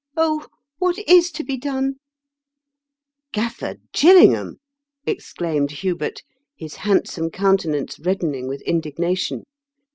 Oh, what is to be done ?"" Gafier Gillingham !" exclaimed Hubert, his handsome countenance reddening with in dignation.